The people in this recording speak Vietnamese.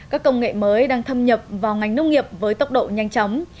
các công nghệ mới đang thâm nhập vào ngành nông nghiệp với tốc độ nhanh chóng